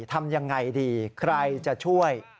ทำยังไงดีใครจะช่วย